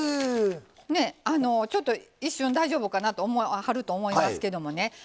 ねえちょっと一瞬大丈夫かなと思わはると思いますけどもね